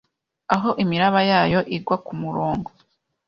Aho imiraba yayo igwa kumurongo